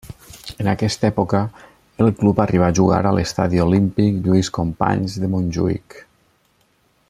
En aquesta època el club arribà a jugar a l'Estadi Olímpic Lluís Companys de Montjuïc.